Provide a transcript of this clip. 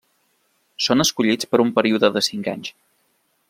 Són escollits per un període de cinc anys.